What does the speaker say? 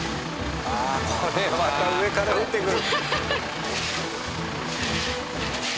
あこれまた上から降ってくる。